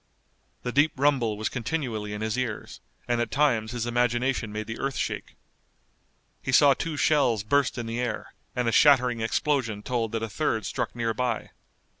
The deep rumble was continually in his ears, and at times his imagination made the earth shake. He saw two shells burst in the air, and a shattering explosion told that a third struck near by.